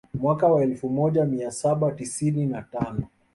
Mwaka wa elfu moja mia saba tisini na tano